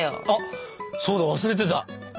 あっそうだ忘れてた。